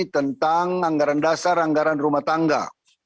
tentang anggaran dasar anggaran rumah tangga